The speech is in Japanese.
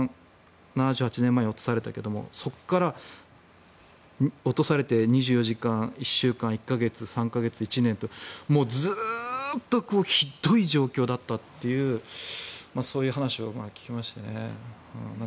７８年前に落とされたけどそこから落とされて、２４時間１週間、１か月、１年ともうずっとひどい状況だったというそういう話を聞きましてね。